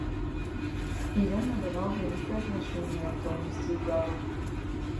І ён надаваў вялікае значэнне раптоўнасці ўдару.